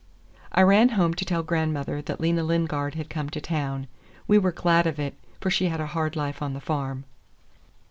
I ran home to tell grandmother that Lena Lingard had come to town. We were glad of it, for she had a hard life on the farm.